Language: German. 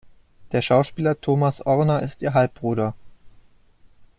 Der Schauspieler Thomas Ohrner ist ihr Halbbruder.